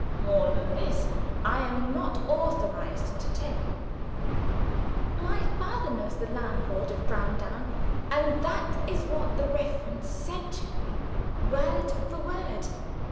More than this I am not authorized to tell you.' My father knows the landlord of Browndown; and that is what the reference said to him, word for word.